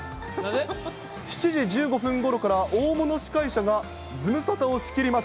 ７時１５分ごろから、大物司会者がズムサタを仕切ります。